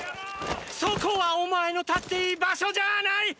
そこはお前の立っていい場所じゃあない！